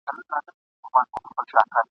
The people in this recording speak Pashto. څوک چي چړیانو ملایانو ته جامې ورکوي ..